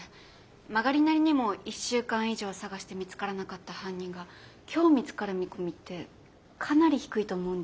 曲がりなりにも１週間以上捜して見つからなかった犯人が今日見つかる見込みってかなり低いと思うんです。